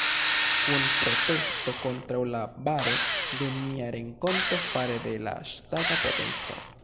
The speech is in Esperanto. Kun protesto kontraŭ la baro de nia renkonto fare de la ŝtata potenco.